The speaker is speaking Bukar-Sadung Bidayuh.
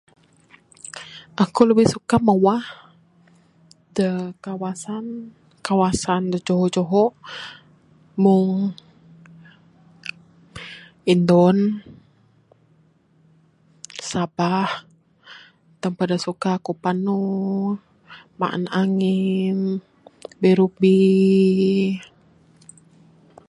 Aku labih suka mawah da kawasan kawasan da juho2 mung indon, sabah tempat da suka aku panu maan angin birubi.